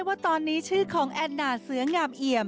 ว่าตอนนี้ชื่อของแอนนาเสืองามเอี่ยม